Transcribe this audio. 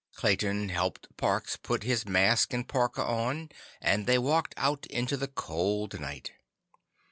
Clayton helped Parks put his mask and parka on and they walked out into the cold night.